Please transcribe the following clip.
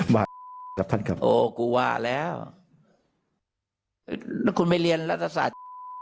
ว่ากับท่านครับโอ้กูว่าแล้วแล้วคุณไม่เรียนรัฐศาสตร์